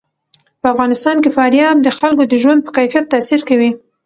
په افغانستان کې فاریاب د خلکو د ژوند په کیفیت تاثیر کوي.